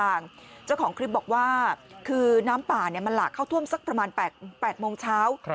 จังหวัดลำปางเจ้าของคลิปบอกว่าคือน้ำป่าเนี่ยมันหลากเข้าท่วมสักประมาณ๘โมงเช้า